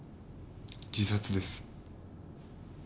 自殺です。